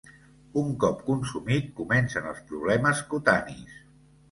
Un cop consumit comencen els problemes cutanis.